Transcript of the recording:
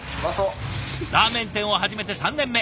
ラーメン店を始めて３年目。